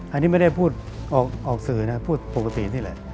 อันนี้ไม่ได้พูดออกสื่อนะพูดปกตินี่แหละ